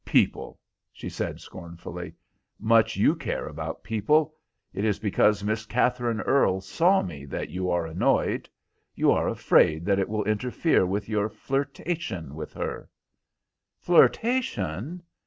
"People!" she said, scornfully. "Much you care about people. It is because Miss Katherine Earle saw me that you are annoyed. You are afraid that it will interfere with your flirtation with her." "Flirtation?"